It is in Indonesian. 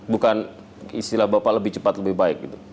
bukan istilah bapak lebih cepat lebih baik gitu